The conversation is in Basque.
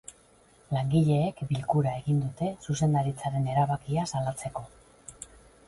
Langileek bilkura egin dute zuzendaritzaren erabakia salatzeko.